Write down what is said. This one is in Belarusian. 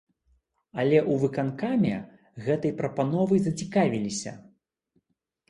Але ў выканкаме гэтай прапановай зацікавіліся.